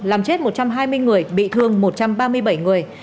làm chết một trăm hai mươi người bị thương một trăm ba mươi bảy người